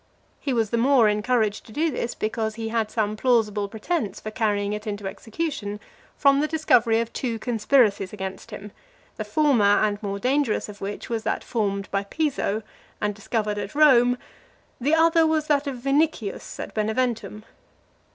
He was the more encouraged to this, because he had some plausible pretence for carrying it into execution, from the discovery of two conspiracies against him; the former and more dangerous of which was that formed by Piso , and discovered at Rome; the other was that of Vinicius , at Beneventum.